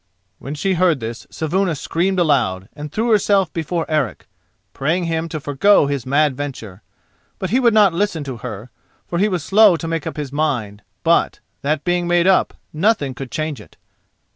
When she heard this Saevuna screamed aloud, and threw herself before Eric, praying him to forgo his mad venture. But he would not listen to her, for he was slow to make up his mind, but, that being made up, nothing could change it.